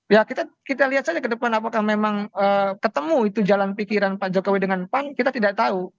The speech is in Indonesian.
ya kita lihat saja ke depan apakah memang ketemu itu jalan pikiran pak jokowi dengan pan kita tidak tahu